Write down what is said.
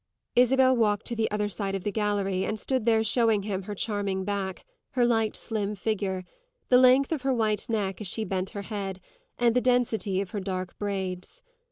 Isabel walked to the other side of the gallery and stood there showing him her charming back, her light slim figure, the length of her white neck as she bent her head, and the density of her dark braids.